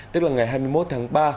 tức là ngày hai mươi một tháng ba